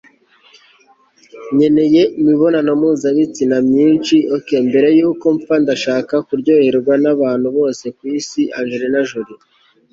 nkeneye imibonano mpuzabitsina myinshi, ok? mbere yuko mpfa ndashaka kuryoherwa n'abantu bose ku isi - angelina jolie